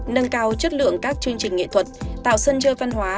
nâng cao chất lượng các chương trình nghệ thuật tạo sân chơi văn hóa